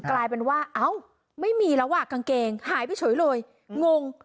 กลายเป็นว่าเอ้าไม่มีแล้วอ่ะกางเกงหายไปเฉยเลยงง